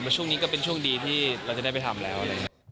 แต่ว่าช่วงนี้ก็เป็นช่วงดีที่เราจะได้ไปทำแล้ว